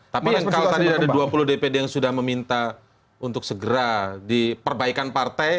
tapi yang kalau tadi ada dua puluh dpd yang sudah meminta untuk segera diperbaikan partai